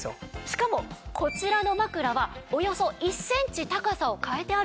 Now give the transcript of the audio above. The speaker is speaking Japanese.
しかもこちらの枕はおよそ１センチ高さを変えてあるんです。